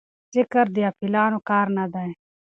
ذکر د غافلانو کار نه دی.